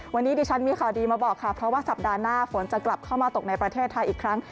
วันนี้ดิฉันมีข่าวดีมาบอกค่ะเพราะว่าสัปดาห์หน้าฝนจะกลับเข้ามาตกในประเทศไทยอีกครั้ง